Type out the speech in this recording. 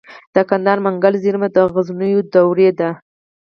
د کندهار منگل زیرمه د غزنوي دورې ده